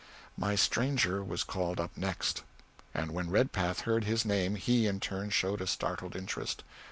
My stranger was called up next, and when Redpath heard his name he, in turn, showed a startled interest.